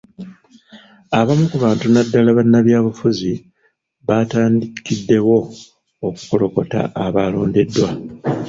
Abamu ku bantu naddala bannabyabufuzi baatandikiddewo okukolokota abaalondeddwa.